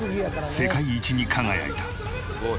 世界一に輝いた。